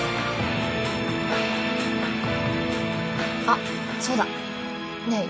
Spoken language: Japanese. あっそうだ。ねえ？